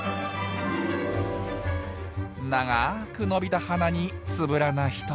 長く伸びた鼻につぶらな瞳。